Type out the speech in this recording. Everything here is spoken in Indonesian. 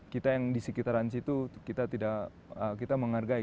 kita yang di sekitaran situ kita menghargai